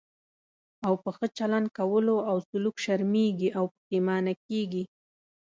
او په ښه چلند کولو او سلوک شرمېږي او پښېمانه کېږي.